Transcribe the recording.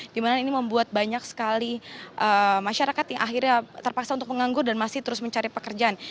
dimana ini membuat banyak sekali masyarakat yang akhirnya terpaksa untuk menganggur dan masih terus mencari pekerjaan